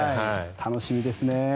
楽しみですね。